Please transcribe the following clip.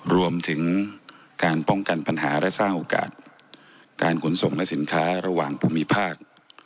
รวมถึงการป้องกันปัญหาและสร้างโอกาสการขนส่งและสินค้าระหว่างภูมิภาค